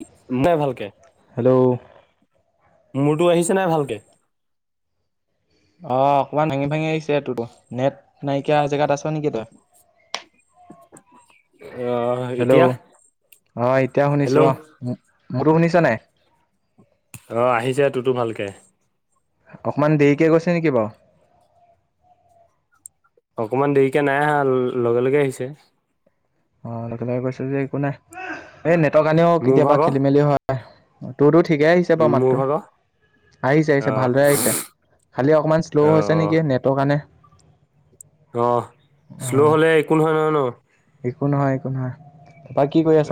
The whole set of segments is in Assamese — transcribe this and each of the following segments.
[unintelligible] ভালকে। মোৰতো আহিছে নাই ভালকে। অ' অকমান ভাঙি ভাঙি আহিছে তোৰতো। নেট নাইকিয়া জেগাত আছ নেকি তই? হেল্ল'! অ' এতিয়া শুনিছোঁ অ'। মোৰতো শুনিছ নাই? অ' আহিছে তোৰতো ভালকে। অকমান দেৰিকে গৈছে নেকি বাৰু? অকমান দেৰিকে নাই আহা ল-লগে লগে আহিছে। অ' লগে লগে গৈছে যদি একো নাই। এই নেটৰ কাৰণেও কেতিয়াবা খেলি মেলি হয়। তোৰতো ঠিকেই আহিছে বাৰু মাতটো। আহিছে, আহিছে ভালদৰে আহিছে। খালি অকমান শ্ল' হৈছে নেকি নেটৰ কাৰণে। অহ শ্ল' হ'লে একো নহয় নহয় ন? একো নহয়, একো নহয়।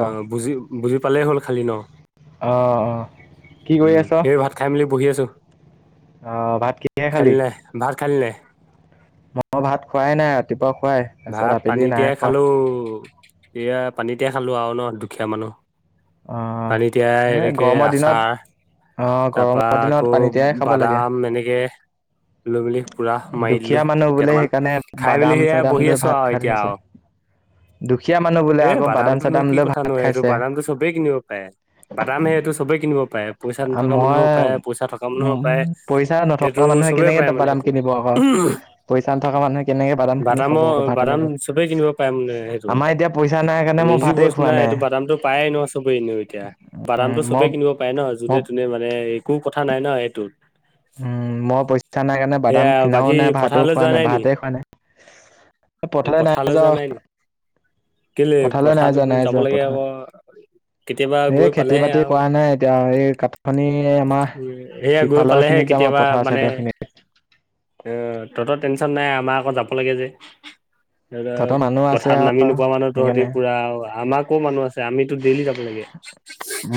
অ' বুজি বুজি পালেই হ'ল খালি ন? অ, অ। উম এই ভাত খাই মেলি বহি আছোঁ। খালি নে নাই ভাত খালি নে নাই মই ভাত খোৱাই নাই ৰাতিপুৱা ভাত পানী তিয়াই খালো এয়া পানীতিয়াই খালো আৰু ন দুখীয়া মানুহ পানী তিয়াই এনেকে আচাৰ তাৰ পা আকৌ বাদাম এনেকে লৈ মেলি পুৰা মাৰি দিলো কেইটামান খাই মেলি হেয়া বহি আছো আৰু এতিয়া উ দুখীয়া মানুহ বোলে আকৌ বাদাম চাদাম লৈ ভাত খাইছে কিনিব পাৰে বাদাম হে এইটো চবেই কিনিব পাৰে পইচা নথকা মানুহেও পাৰে পইচা থকা মানুহৰও পাৰে সেইটো চবে পাৰে মানে সেই উম বাদামৰ বাদাম চবেই কিনিব পাৰে মানে সেইটো বস্তু নাই এইটো বাদামটো পায় নো চবেইও এতিয়া বাদামটো চবেই কিনো পায় ন যোনে তোনে মানে একো কথা নাই ন এইটোত উম মই পইচা নাই কাৰণে বাদাম কিনাও নাই ভাতও খোৱা নাই ভাতে খোৱা নাই পথাৰলৈ নাই নাযাওঁ কেলৈ পথাৰত যাব লাগে আকৌ কেতিয়াবা গৈ পালেহে আৰু উ সেয়া গৈ পালে কেতিয়াবা মানে এ তহঁতৰ টেনশন নাই আমাৰ আকৌ যাব লাগে যে পথাৰ নামি মানৰ তহঁতি পুৰা আমাৰাকো মানুহ আছে আমিতো ডেইলি যাব লাগে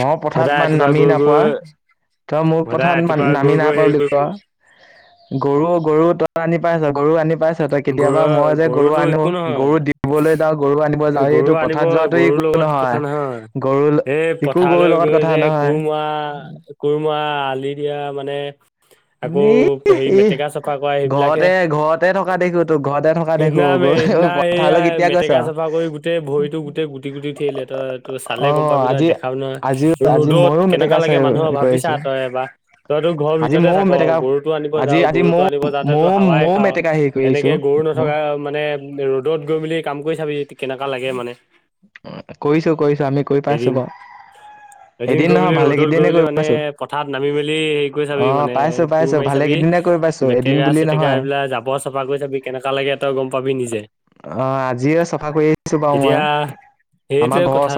মই পথাৰত মান নামি নাইপোৱা তই মোৰ পথাৰত নামি নাঅইপোৱা বুলি ক গৰু গৰু ত আনি পাইছ গৰু আনি পাইছ ত কেতিয়াবা মই যে গৰু আনো গৰু দিবলৈ যাওঁ গৰু আনিব যাওঁ এইটো পথাৰ যোৱাত একো নহয় গৰু এই পথাৰলৈ গৈ যে কোৰমৰা কোৰমৰা আলি দিয়া মানে আকৌ হেৰি মেটেকা চাফা কৰা সেইবিলাকে সেইদিনা সেইদিনা এইয়া মেটেকা চাফা কৰি গোটেই ভৰিতটো গোটেই গুটি গুটি উঠিলে তই তই চালে গম পাবি নি দেখাম নহয় ৰদ ৰ'দত কেনেকা লাগে মানুহৰ ভাবিছা তই বা তইতো ঘৰৰ ভিতৰতে থাক গৰুটো আনিব যাৱ গৰুটো আনিব যাওঁতে তো হাৱাই খাৱ এনেকে গৰু নথকা মানে ৰ'দত গৈ মেলি কাম কৰি চাবি কেনেকা লাগে মানে কৰিছো কৰিছো আমি কৰি পাইছো বাৰু এদিন গৈ মেলি ৰ'দত গৈ মেলি মানে পথাৰত নামি মেলি হেৰি কৰি চাবি মানে কোৰ মাৰি চাবি মেটেকা চেটেকা এইবিলাক জাবৰ চাবৰ লৈ যাবি কেনেকা লাগে তই গম পাবি নিজে এতিয়া সেইটোৱে কথা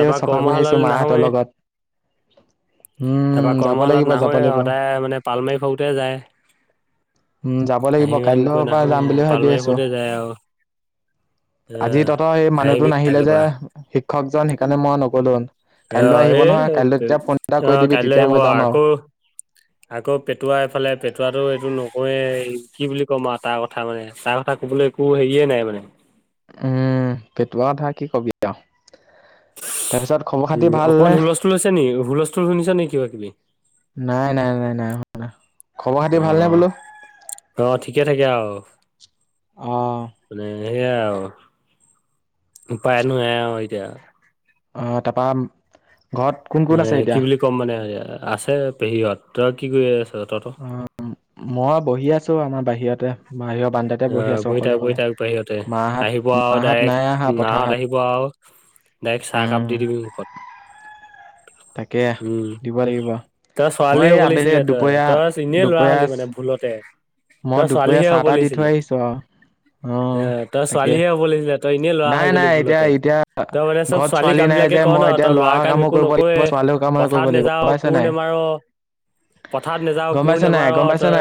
তাপা কৰ্মশালালৈ নাহয়েই তাপা কৰ্মশালাত নাহয়ে সদায় মানে পালমাৰি থওঁতে যায় উম যাব যাব লাগিব কাইলৈ পা যাম বুলি ভাবি আছো আজি তহতৰ হেই মানুহ টো নাহিলে যে শিক্ষকজন সেইকাৰণে মই নকলো অ এ অ কাইলৈ আহিব আকৌ আকৌ পেটোৱা এইফালে পেটুৱটো এইটো নকয়ে কি বুলি কম আৰু তাৰ কথা মানে তাৰ কথা কলৈ একো হেৰিয়ে নাই মানে উম পেটুৱা কথা কি কবি আৰু উ অকমান হুলস্থুল হৈছে নেকি হুলস্থুল শুনিছ নেকি কিবা কিবি নাই নাই নাই নাই অ অ ঠিকে থাকে আৰু মানে সেয়া আৰু উপায়নো নায়ে আৰু এতিয়া। অ', তাৰপা মানে কি বুলি ক'ম মানে আছে পেহীহত তই কি কৰি অ', মই বহি আছো আমাৰ বাহিৰতে অ', বহি থাক, বহি থাক, বাহিৰতে আহিব আৰু ডাইৰেক্ট মাহঁত আহিব আৰু ডাইৰেক্ট চাহকাপ দি দিবি মুখত। তাকে দিব লাগিব মই আবেলি দুপৰীয়া, দুপৰীয়া মই দুপৰীয়া চাহ তাহ দি থৈ আহিছোঁ আৰু। এ তই ছোৱালীহে হ'ব লাগিছিলে তই এনেই ল'ৰা হৈ গলি ভুলতে, তই মানে চব ছোৱালী কাম এইবলাকে ক' ন' তই লৰা কাম একো নকৰৈ পথাৰত নেযাও কোৰ নেমাৰ পথাৰত নেযাও কোৰ নেমাৰ' তই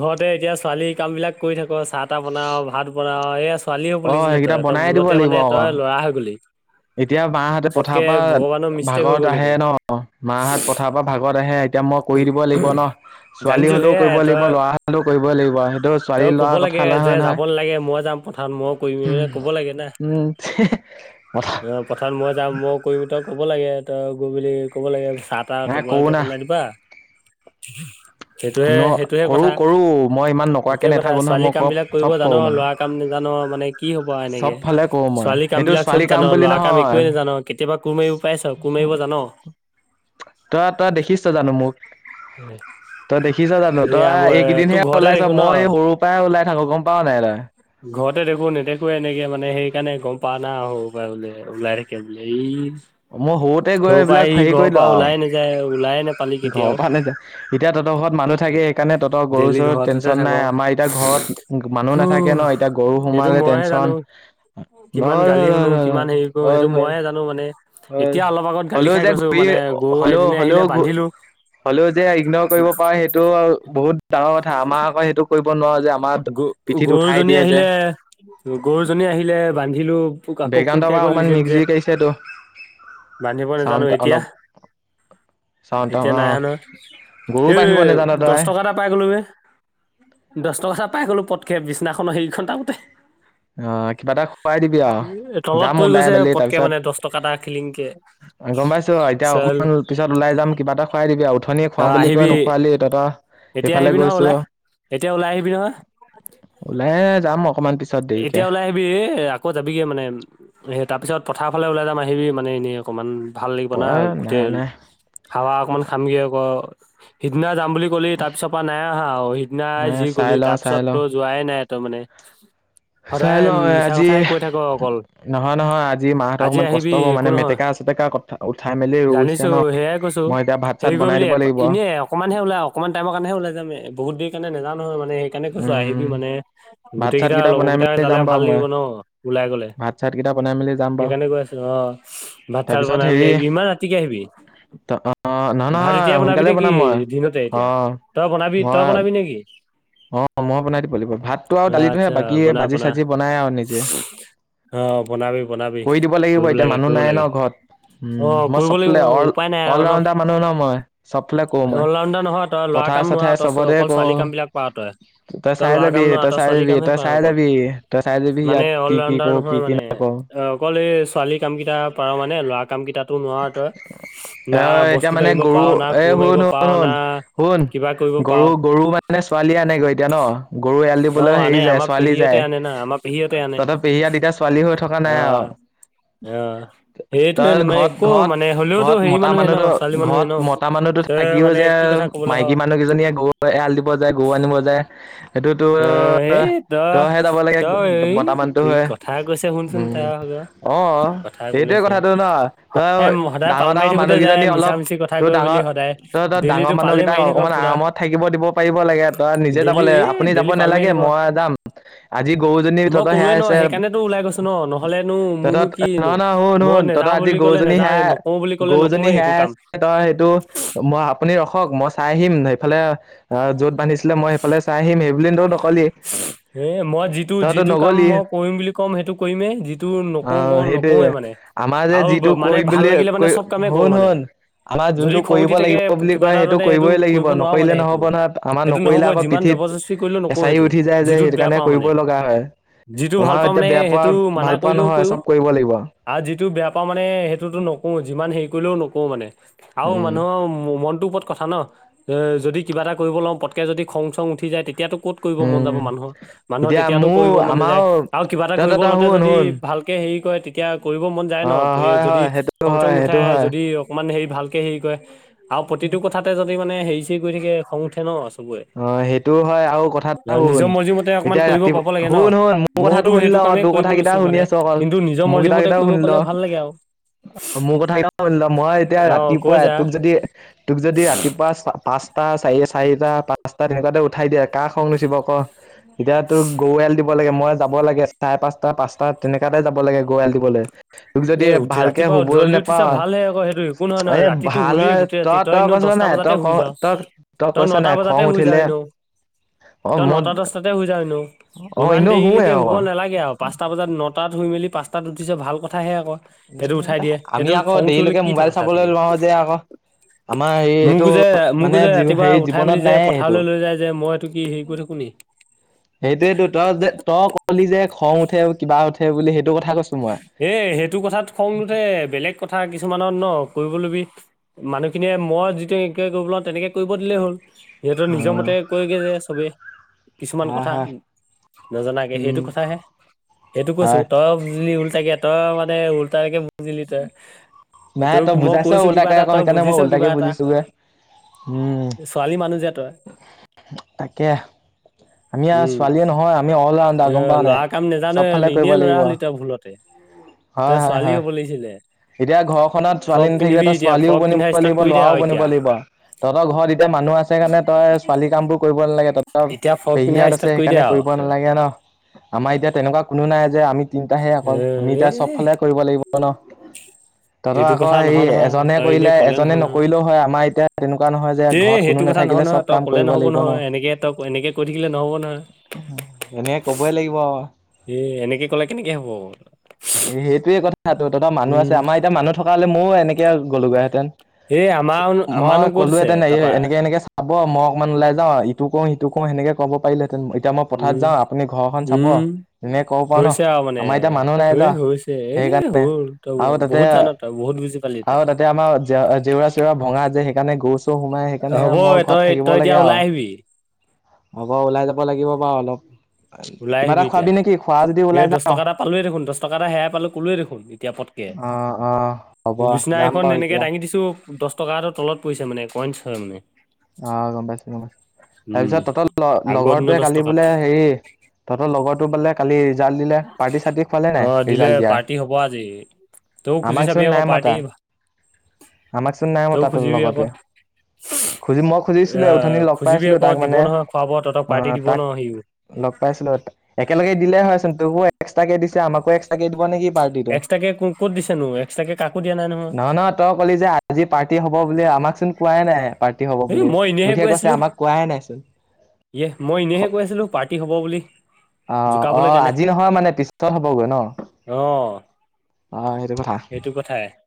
ঘৰতে এতিয়া ছোৱালী কাম বিলাক কৰি থাক' এইয়া ছোৱালী হব লাগিছিলে তই, তই ভুলতে মানে তই লৰা হয় গলি। এতিয়া মাহঁতে পথাৰ পৰা ভাগৰত আহে ন' মাহঁত পথাৰ পৰা ভাগৰত আহে এতিয়া মই কৰি দিব লাগিব ন' ছোৱালী হ'লেও কৰিব লাগিব ল'ৰা হ'লেও কৰিবই লাগিব সেইটো ছোৱালী ল'ৰাৰ কথা তাকে যে যাব নালাগে মই যাম পথাৰত মই কৰিম এইবিলাক ক'ব লাগে না। অ', পথাৰত মই যাম মই কৰি তই ক'ব লাগে তই গৈ বুলি কব লাগে চাহ তাহ তোমালোকে বনাই দিবা [inaudible] সেইটোহে, সেইটোহে কথা, সেইটোহে কথা, ছোৱালী কাম বিলাক কৰিব জান লৰা কাম নজানো ন' মানে কি হ' পাৱা এনেকে, ছোৱালী কাম বিলাক চব জান লৰা কাম একোৱয়ে নাজান কেতিয়াবা কোৰ মাৰিব পাইছ, কোৰ মাৰিব জান'? [inaudible] তই-তই, দেখিছ জান' মোক? উম, তই দেখিছ জানো, তই এইকেইদিনহে ওলাইছ মই সৰুৰ পৰাই ওলাই থাক গম পাৱও নাই তই? ঘৰতে দেখো নেদেখো এনেকে মানে সেইকাৰণে গম পাৱ না সৰুৰ পৰাই ওলাই থাকে বোলে ই মই সৰুতে গৈ এইবিলাক হেৰি কৰি দিলোঁ আৰু ঘৰৰ পৰা নে যো এতিয়া তহঁতৰ ঘৰত মানুহ থাকে সেইকাৰণে তহতৰ গৰু চৰুৰ টেন্যন নাই আমাৰ এতিয়া ঘৰত মানুহ নাথাকে তাকে ন এতিয়া গৰু সোমালে টেনশন হল, হল, হল, হল, হল হয় হলেও যে ঘূৰি হলেও- হ'লেও হ'লেও যে ইগনৰ কৰিব পাৰ সেইটো বহুত ডাঙৰ কথা আমাৰ আকৌ সেইটো গ, গৰুজনী আহিলে, গৰুজনী আহিলে, বান্ধিলো তোক আকৌ খোল খাই গল নিজে নিজে বান্ধিব নাজানো এতিয়া এতিয়া নাই হলেও, সেই দশ টকা এটা পাই গ'লো দশ টকা এটা পাই গ'লো পতকে বিচনাখনৰ সেৰিখন টানোঁতে তলত পৰি গৈছে পটকে মানে দশ টকা এটা খিলিংকে। গম পাইছো এতিয়া অকণমান পিছত ওলাই যাম কিবা এটা খুৱাই দিবি আৰু উথনি খুৱাম বুলি কৈ নোখোৱালি তই ত' সেইফালে গৈছো ওলাই হে যাম অকনমান পিছত দেৰি তেতিয়া ওলাই আহিবি এ আকৌ যাবিগে মানে তাৰপিছত পথাৰ ফালে ওলাই যাম আহিবি মানে এনেই অকমান ভাল লাগিব না গোটেই হাৱা অকণমান খামগে আকৌ সিদিনা যাম বুলি ক'লি তাৰ পিছৰ পৰা নাই আহা আৰু সিদিনাই যি গ'লি তাৰ পিছততো যোৱাই নাই তই মানে সদায় মিছা কথাই কৈ থাক' অকল নহয় নহয় আজি মাহঁতৰ অকমান কষ্ট হব মানে মেটেকা চেটেকা কথা উঠাই মেলি ৰুইছে ন' হেৰি কৰিব এনে অকণমানহে ওলাই অকন টাইমৰ কাৰণহে ওলাই যাম বহুত দেৰি কাৰণে নাজাও নহয় মানে সেইকাৰণে কৈছো আহিবি মানে গোটেই কেই লগৰ কেইটাই যালে ভাল লাগিব ন' ওলাই গলে, সেইকাৰণে গৈ আছোঁ অ', ভাত চাত বনাই মেলি আহিবি, ইমান ৰাতিকে আহিবি। ভাত এতিয়া বনাবি নেকি দিনতে এতিয়া তই বনাবি তই বনাবি নেকি। অ, ম' বনাই দিব লাগিব ভাততটো আৰু দালিটো। আ, বনা, বনা। অ, বনাবি, বনাবি কৰিব লাগে, কৰিব লাগে। অ, কৰিব লাগিব উপায় নাই আৰু ন, অল ৰাউডাৰ নহয় তই ল'ৰা ল'ৰা কাম নোৱাৰ ত, অকল ছোৱালী কাম বিলাক প তই তই ল'ৰা কাম নোৱাৰ ত ছোৱালী কামহে অ, মানে অলডাৰ নহয় মানে অকল ছোৱালী কাম কেইটা পাৰ মানে ল'ৰা কাম কেইটাতো নোৱাৰ তই না বস্তু দাঙিব পাৰ না কোৰ মাৰিব পাৰও না শুন গৰু, গৰু মানে ছোৱালী আনেগৈ এতিয়া ন। গৰু এল দিবলৈ হেৰি যায় ছোৱালী যায় তাতে পেহীয়া তেতিতয়া ছোৱালী হৈ থকা নাই আৰু তই ঘৰত, ঘৰত, ঘৰত মতা মানুহটো ঘৰত মতা মানুহ থাকিও যে মাইকী মানুহ কেইজনীয়ে গৰু এল দিব যায় গৰু আনিব যায় সেইটোত [inaudible] তহে যাব লাগে মতাামানতো হয়, উম। অ, সেইটোৱে কথাটো ন, তই ডাঙৰ, ডাঙৰ মানুহ কেইজনী অলপ তোৰ ডাঙৰ তহতৰ ডাঙৰ মানুহ কেইটাক অকমান আৰামত থাকিব দিব পাৰিব লাগে তই নিজে যাব লাগে আপুনি যাব। যাব নালাগে মই যাম। আজি গৰুজনী তহতত সেৰাই আছে, তহতত নহয়, নহয় শুন, শুন তহঁ, তই আজি গৰুজনী সেয়াই গৰুজনী সেয়াই আছে তই সেইটো মই আপুনি ৰখক মই চাই আহিম সেইফালে আহ যত বান্ধিছিলে মই সেইফালে চাই আহিম সেইবো নকলি এ, মই যিটো, যিটো কাম মই কৰিম বুলি ক'ম সেইটো কৰিমেই যিটো নকোৰো কো নকোৱে মানে আৰু মানে ভাল লাগিলে, মানে চব কামে কৰো মানে। যদি খং উঠি থাকে, কিবা এটা মানে সেইটো কৰিব নোৱাৰো মানে। সেইটো নহব যিমান জবৰজস্তি কৰিলে নকওঁ সেইটো যিটোত বেয়া পাওঁ মানে। যিটো ভাল পাওঁ মানে সেইটো মানা কৰিলেও, কৰিও। আৰু যিটো বেয়া পা মানে সেইটোতো নকো যি ইমান হেৰি কৰিলেও নকওঁ মানে আৰু মানুহৰ মনটোৰ ওপৰত কথা ন, এ, যদি কিবা এটা কৰিব ল' পটকৈ যদি খং, চং উঠি যায় তেতিয়াতো। ক'ত কৰিব মন যাব মানুহৰ, মানুহৰ তেতিয়াতো কৰিব মন যায় আৰু কিবা এটা কৰিব লতে যদি ভালকে হেৰি কৰে। তেতিয়া কৰিব মন যায় ন, যদি খং চং নুঠায় যদি অকমান হেৰি ভালকে হেৰি কৰে। আৰু প্ৰতিটো কথাতে যদি মানে হেৰি চৰি গৈ থাকে খং উঠে ন। অ, সেইটো হয় আৰু কথা এটা শুন এতিয়া ৰাতিপুৱা শুন, শুন মোৰ কথাটো শুনিলো তোৰ কথা কেইটা শুনি আছো অকল মোৰ কেইটা, কেইটাও শুনিল মোৰ কথা কেইটাও খুনি লো মই এতিয়া ৰাতিপুৱা এটোক যদি তোক যদি ৰাতিপুৱা পাঁচ টা, চাৰি-চাৰিটা, পাঁচটা তেনেকুৱাতে উঠাই দিয়ে কাৰ খং নুচিব কোঁ এতিয়া তোক গৰুৱাল দিব। লাগে মই যাব লাগে চাৰে পাঁচটা, পাঁচটা তেনেকাতে যাব লাগে গৰু এৰাল দিবলৈ। তোক যদি ভালকে শুবলৈ নোপাও আৰে ভাল হয় তই, তই, কৈছ। কৈছ নাই, তই ক তই, তই কৈছ নাই খ ততে হৈ যায় ন। তই নটা, দচটাতে হৈ যাওনো ইমান দেৰিলৈকে হুব নালাগে আৰু পাঁচটা বজাত নটাত শুই মেলি পাঁচটাত উঠিছ ভাল কথাহে আকৌ সেইটো উঠাই দিয়ে, সেইটো খং উঠিবলৈ কিটো কথা থাকে মোকো যে মোকো যে ৰাতিপুৱা উঠাই মেলি যে পথাৰলৈ লৈ যায় যে মই এইটো কি হেৰি কৰি থাকো নেকি। [inaudible] সেইটোয়েতো তই যে তই কলি যে খং উঠে কিবা উঠে বুলি সেইটো কথা এ, সেইটো কথাত খংনুঠে বেলেগ কথা কিছু কিছুমানত ন কৰিবলৈবি মানুহখিনিয়ে মই যিটো এনেে কৰিব লওঁ তেনেকে কৰিব দিলেই হ'ল। সিহঁতৰ নিজৰ মতে কৈগে যে সবেই কিছুমান কথা নজনাকে সেইটো কথাহে সেইটো কৈছো তই। উলটাকে টোও মানে উল্টাকে বুজিলি তই তই মই কৈছো কিবা এটা তই বুজিছ কিবা এটা ছোৱালী মানুহ যে তই উম, এ লৰা কাম নাজানো এনেই ল'ৰা হ'লে ভুলতে তই ছোৱালী হ'ব লাগিছিলে এতিয়া ঘৰখনত ছোৱালী নাথাকিলে তয় ছোৱালীও বনিব লাগিব, লৰাও বনিব লাগিব তহঁতৰ ঘৰত এতিয়া সেই কাৰণে তই ছোৱালী কাম বোৰ কৰিব নালাগে, তহঁতৰ পেহীহঁত আছে সেইকাৰণে কৰিব নালাগে ন আমাৰ এতিয়া তেনেকুৱা কোনো নাই যে আমি তিনটাহে অকল আমি এতিয়া চব ফালে কৰিব লাগিব ন তহঁত আকৌ হে এজনে কৰিলে এজনে নকৰিলেও হয় আমাৰ এতিয়া তেনেকুৱা নহয় যে, ঘৰত কোনো নাথাকিলে চব কাম কৰিব লাগিব ন এনে কবই লাগিব আৰু এ সেইটোয়ে কথা তোৰ তাত মানুহ আছে আমাৰ এতিয়া মানুহ থকা হ'লে ময়ো এনেকে গলোগৈ হেঁতেন মই ক'লোহেতেন এই এনেকে এনেকে চাব হ মই অকমান ওলাই যা ইটো কৰো সিটো কৰো সেনেকে কব পাৰিলে এতিয়া মই পথাৰত যাওঁ আপুনি ঘৰখন চাব এনে কব পাৰা ন, আমাৰ এতিয়া মানুহ নাই যা সেইকাৰণে আৰু তাতে আৰু তাতে আমাৰ জ জেউৰা চেউৰা ভঙা যে সেইকাৰণে গৰু চৰু সোমাই সেইকাৰণে মোৰ ঘৰত থাকিব লাগে আৰু অব ওলাই যাব লাগিব বাৰু অলপ ওলাই আহিবি এতিয়া এ দহ টকা এটা পালোয়ে দেখোন দহ টকা এটা সেয়াই পালো কলোৱে দেখোন এতিয়া প বিচনা এখন এনেকে দাঙি দিছো দহ টকাটো তলত পৰিছে মানে কইনছ হয় মানে অ', গম পাইছো গম পাইছো তাৰপিছত তহঁতৰ লগৰটোৱে কালি বোলে হেৰি তহঁতৰ লগৰটো বোলে কালি ৰিজাল্ট দিলে পাৰ্টি চাৰ্টি খুৱালে নে ৰিজাল্ট দিয়াৰ আমাকচোন নাই মতা আমাকচোন নাই মতা তোৰ লগৰটোৱে খুজি মই খুজিছিলো উথনি লগ পাইছিলোঁ তাক মানে আহ তাক লগ পাইছিলো একেলগে দিলে হয়চোন তোকো এক্সট্ৰাকে দিছে আমাকো এক্সট্ৰাকে দিব নেকি নহ নহ তই ক'লি যে আজি পাৰ্টি হ'ব বুলি আমাকচোন কোৱাই নাই পাৰ্টি হব বুলি তোকহে কৈছে আমাক কোৱাই নাই চোন এহ মই এনেইহে কৈ আছিলো পাৰ্টি হ'ব বুলি অ', আজি নহয় মানে পিছত হ'বগৈ ন অ', সেইটো কথা